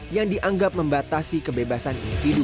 yang dianggap membatasi kebebasan individu